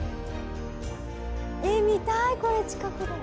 え見たいこれ近くで。